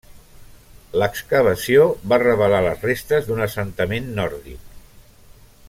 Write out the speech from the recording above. L'excavació va revelar les restes d'un assentament nòrdic.